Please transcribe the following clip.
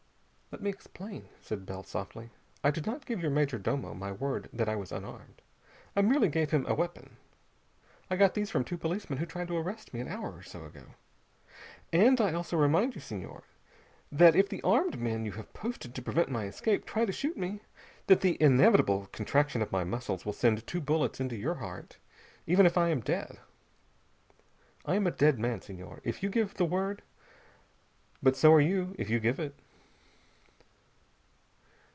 "Let me explain," said Bell softly. "I did not give your major domo my word that I was unarmed. I merely gave him a weapon. I got these from two policemen who tried to arrest me an hour or so ago. And I also remind you, Senhor, that if the armed men you have posted to prevent my escape try to shoot me, that the inevitable contraction of my muscles will send two bullets into your heart even if I am dead. I am a dead man, Senhor, if you give the word, but so are you if you give it."